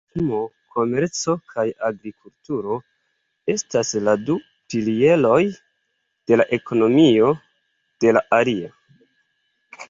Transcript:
Turismo, komerco kaj agrikulturo estas la du pilieroj de la ekonomio de la areo.